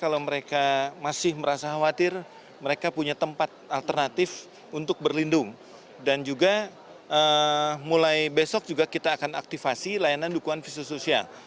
bersama saya ratu nabila